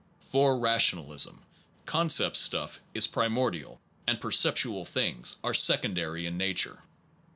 For rational ism, concept stuff is primordial and perceptual things are secondary in nature.